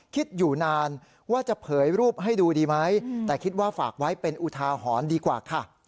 คิดอยู่นานว่าจะเผยรูปให้ดูดีไหมแต่คิดว่าฝากไว้เป็นอุทาหรณ์ดีกว่าค่ะ